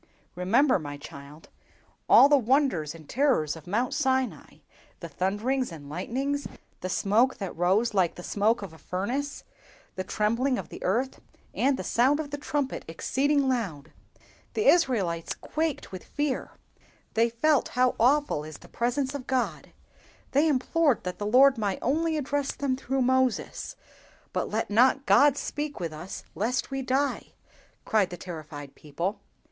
"Remember, my child, all the wonders and terrors of Mount Sinai—the thunders and lightnings, the smoke that rose like the smoke of a furnace, the trembling of the earth, and the sound of the trumpet exceeding loud! The Israelites quaked with fear; they felt how awful is the presence of God; they implored that the Lord might only address them through Moses—'But let not God speak with us lest we die!' cried the terrified people.